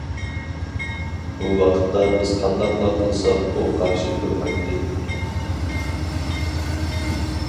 بۇ ۋاقىتتا بىز قانداقلا قىلساق ئۇ قارشى تۇرمايتتى.